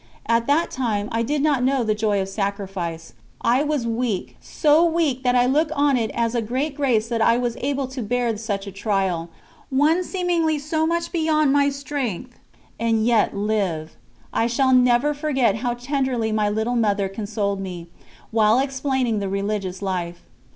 At that time I did not know the joy of sacrifice; I was weak so weak that I look on it as a great grace that I was able to bear such a trial, one seemingly so much beyond my strength and yet live. I shall never forget how tenderly my little Mother consoled me, while explaining the religious life.